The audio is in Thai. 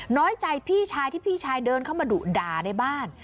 น้อยใจพี่ชายที่พี่ชายเดินเข้ามาดุด่าในบ้าน